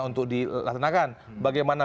untuk dilaksanakan bagaimana